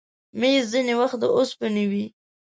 مېز ځینې وخت له اوسپنې وي.